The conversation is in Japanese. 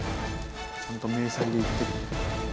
ちゃんと迷彩で行ってる。